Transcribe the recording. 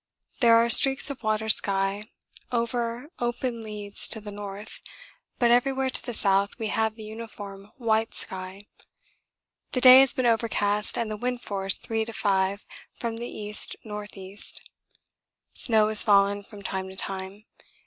There are streaks of water sky over open leads to the north, but everywhere to the south we have the uniform white sky. The day has been overcast and the wind force 3 to 5 from the E.N.E. snow has fallen from time to time.